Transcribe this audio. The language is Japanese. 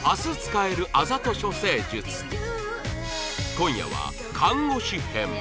今夜は看護師編